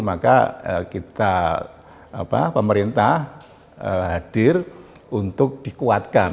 maka kita pemerintah hadir untuk dikuatkan